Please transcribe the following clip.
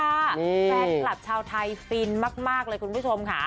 แฟนคลับชาวไทยฟินมากเลยคุณผู้ชมค่ะ